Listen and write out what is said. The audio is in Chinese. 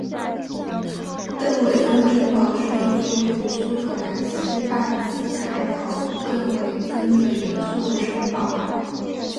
邓韦根城堡是一座位于苏格兰西海岸斯凯岛邓韦根的一座城堡。